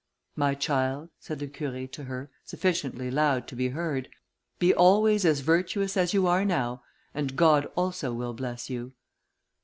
"My child," said the Curé to her, sufficiently loud to be heard, "be always as virtuous as you are now, and God also will bless you."